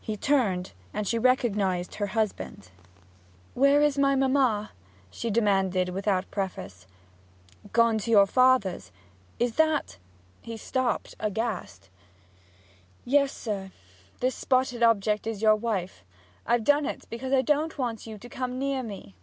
He turned, and she recognized her husband. 'Where's my mamma?' she demanded without preface. 'Gone to your father's. Is that ' He stopped, aghast. 'Yes, sir. This spotted object is your wife! I've done it because I don't want you to come near me!'